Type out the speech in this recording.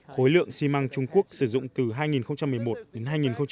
khối lượng xi măng trung quốc sử dụng từ hai nghìn một mươi một đến hai nghìn một mươi chín